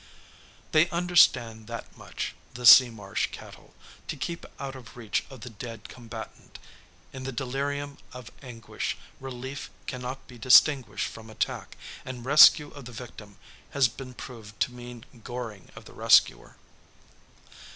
They understand that much, the sea marsh cattle, to keep out of reach of the dead combatant. In the delirium of anguish, relief cannot be distinguished from attack, and rescue of the victim has been proved to mean goring of the rescuer.